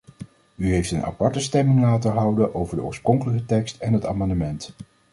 U heeft een aparte stemming laten houden over de oorspronkelijke tekst en het amendement.